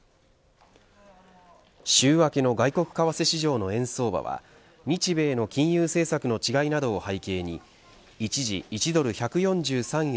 週明けの外国為替市場の円相場は日米の金融政策の違いなどを背景に一時１ドル１４３円